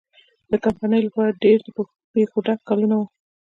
د کمپنۍ لپاره ډېر د پېښو ډک کلونه وو.